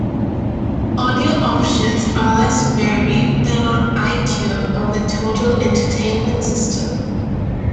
Audio options are less varied than on iQ or the Total Entertainment System.